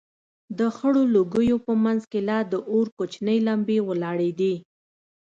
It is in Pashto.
د خړو لوگيو په منځ کښې لا د اور کوچنۍ لمبې ولاړېدې.